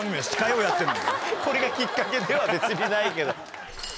これがきっかけでは別にないけど。